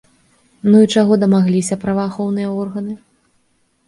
Ну і чаго дамагліся праваахоўныя органы?